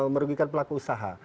merugikan pelaku usaha